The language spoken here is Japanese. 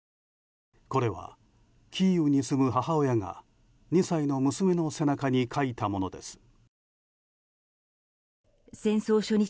これはキーウに住む母親が２歳の娘の背中に書いたものです。